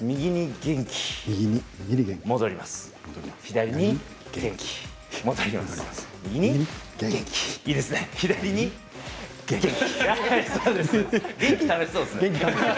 元気、楽しそうですね。